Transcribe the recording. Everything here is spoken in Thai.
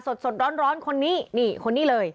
สดร้อนคนนี้นี่คนนี้เลย